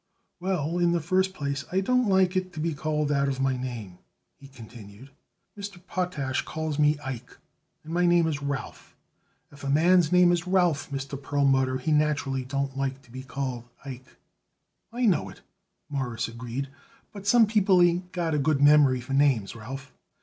"Well, in the first place, I don't like it to be called out of my name," he continued. "Mr. Potash calls me Ike, and my name is Ralph. If a man's name is Ralph, Mr. Perlmutter, he naturally don't like it to be called Ike." "I know it," Morris agreed, "but some people ain't got a good memory for names, Ralph.